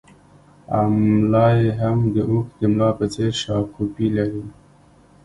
او ملا یې هم د اوښ د ملا په څېر شاکوپي لري